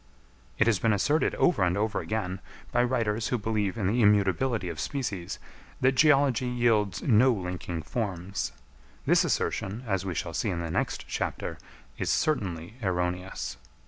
It has been asserted over and over again, by writers who believe in the immutability of species, that geology yields no linking forms. This assertion, as we shall see in the next chapter, is certainly erroneous.